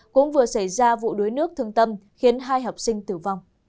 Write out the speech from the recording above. cũng vừa xảy ra vụ đuối nước thương tâm khiến hai học sinh tử vong